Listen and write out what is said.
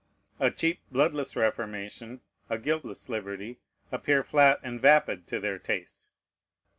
A cheap, bloodless reformation, a guiltless liberty, appear flat and vapid to their taste.